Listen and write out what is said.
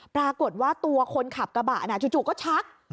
ปรากฏว่าตัวคนขับกระบะน่ะจู่ก็ชัก